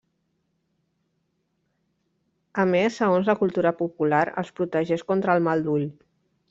A més, segons la cultura popular, els protegeix contra el mal d'ull.